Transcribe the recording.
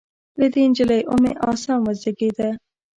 له دې نجلۍ ام عاصم وزېږېده.